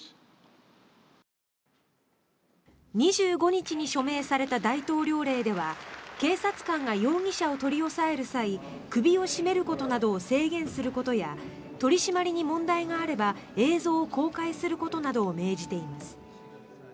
２５日に署名された大統領令では警察官が容疑者を取り押さえる際首を絞めることなどを制限することや取り締まりに問題があれば映像を公開することなどを命じています。